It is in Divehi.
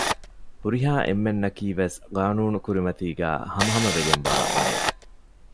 ހުރިހާ އެންމެންނަކީވެސް ޤާނޫނުގެ ކުރިމަތީގައި ހަމަހަމަވެގެންވާ ބައެއް